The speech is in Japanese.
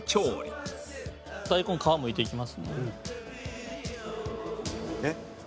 大根皮むいていきますね。